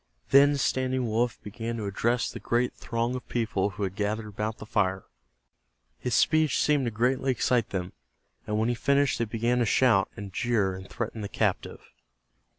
Then Standing Wolf began to address the great throng of people who had gathered about the fire. His speech seemed to greatly excite them, and when he finished they began to shout, and jeer, and threaten the captive.